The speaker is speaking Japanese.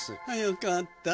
よかった。